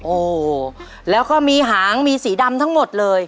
โอ้โหแล้วก็มีหางมีสีดำทั้งหมดเลย